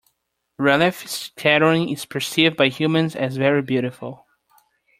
Raleigh scattering is perceived by humans as very beautiful.